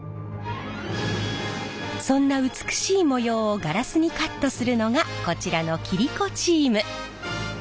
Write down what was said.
そんな美しい模様をガラスにカットするのがこちらの切子チーム。